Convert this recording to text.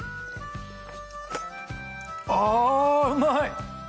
あうまい！